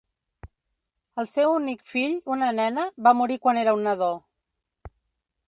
El seu únic fill, una nena, va morir quan era un nadó.